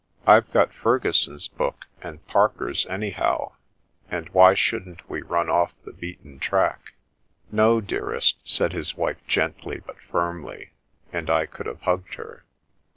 I've got Ferguson's book My Lesson 31 and Parker's, anyhow, and why shouldn't we run off the beaten track "" No, dearest," said his wife gently, but firmly, and I could have hugged her.